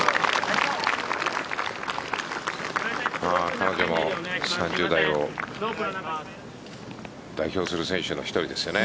彼女も３０代を代表する選手の１人ですからね。